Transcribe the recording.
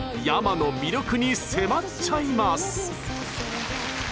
ｙａｍａの魅力に迫っちゃいます！